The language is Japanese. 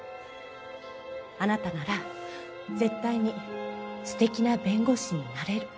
あなたなら絶対に素敵な弁護士になれる。